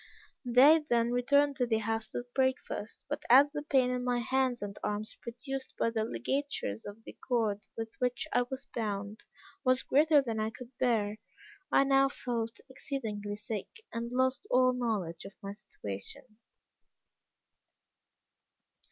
"They then returned to the house to breakfast; but as the pain in my hands and arms produced by the ligatures of the cord with which I was bound, was greater than I could bear, I now felt exceedingly sick, and lost all knowledge of my situation.